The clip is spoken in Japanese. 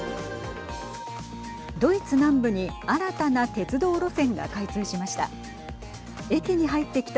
ドイツ南部に新たな鉄道路線が開通しました。